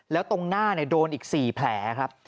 แล้วตรงหน้าโดนอีก๔แผลครับ